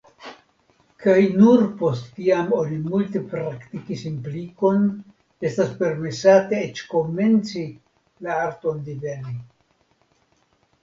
Kaj nur postkiam oni multe praktikis implikon, estas permesate eĉ komenci la arton diveni.